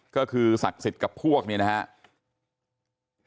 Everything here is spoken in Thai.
ก็คือศักดิ์สิทธิ์กับพวกเนี่ยนะครับ